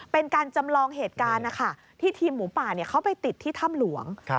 เป็นการจำลองเหตุการณ์นะคะที่ทีมหมูป่าเขาไปติดที่ถ้ำหลวง